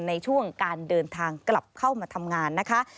ในช่วงการเดินทางกลับเข้ามาทำงานนะคะ